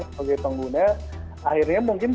sebagai pengguna akhirnya mungkin